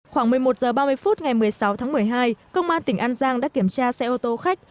khoảng một mươi một h ba mươi phút ngày một mươi sáu tháng một mươi hai công an tỉnh an giang đã kiểm tra xe ô tô khách